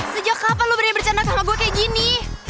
sejak kapan lo berani bercanda sama gue kayak gini